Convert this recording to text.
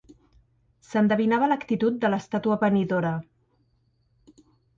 S'endevinava l'actitud de l'estàtua venidora.